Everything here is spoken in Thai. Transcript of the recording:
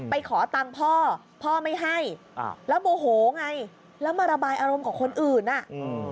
ไปขอตังค์พ่อพ่อไม่ให้อ้าวแล้วโมโหไงแล้วมาระบายอารมณ์กับคนอื่นอ่ะอืม